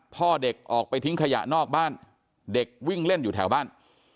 พ่อเด็กออกไปทิ้งขยะนอกบ้านเด็กวิ่งเล่นอยู่แถวบ้าน